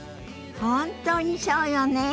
本当にそうよね。